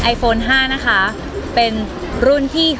โฟน๕นะคะเป็นรุ่นที่๓